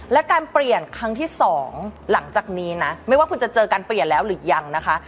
และการเปลี่ยนครั้งที่๒หลังจากนี้นะไม่ว่าคุณจะเจอการเปลี่ยนแล้วหรือยังนะคะ